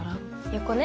横ね。